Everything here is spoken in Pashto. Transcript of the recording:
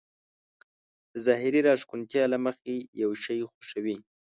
د ظاهري راښکونتيا له مخې يو شی خوښوي.